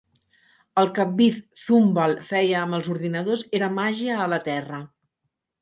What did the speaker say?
El que "Wiz" Zumwalt feia amb els ordinadors era màgia a la Terra.